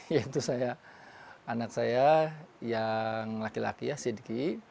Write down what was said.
yaitu saya anak saya yang laki laki ya sidki